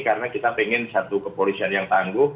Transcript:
karena kita pengen satu kepolisian yang tangguh